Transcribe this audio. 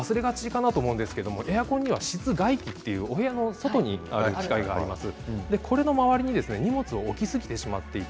忘れがちかなと思いますがエアコンには室外機というお部屋の外にある器械があります。